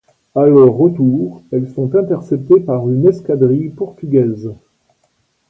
A leur retour, elles sont interceptées par une escadrille Portugaise.